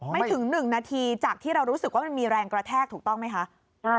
ไม่ถึง๑นาทีจากที่เรารู้สึกว่ามันมีแรงกระแทกถูกต้องไหมคะ